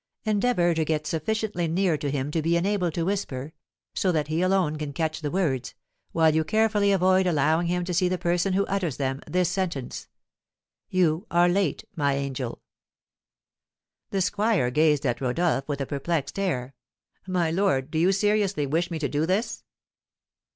"Endeavour to get sufficiently near to him to be enabled to whisper, so that he alone can catch the words, while you carefully avoid allowing him to see the person who utters them, this sentence, 'You are late, my angel!'" The squire gazed at Rodolph with a perplexed air. "My lord, do you seriously wish me to do this?"